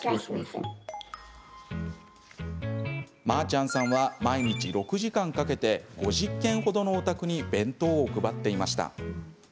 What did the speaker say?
まーちゃんさんは毎日６時間かけて５０軒ほどのお宅に弁当を配っていました。